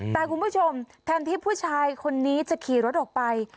แต่คุณผู้ชมแทนที่ผู้ชายคนนี้จะขี่รถออกไป